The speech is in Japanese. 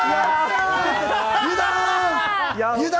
油断！